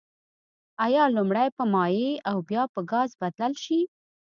آیا لومړی په مایع او بیا به په ګاز بدل شي؟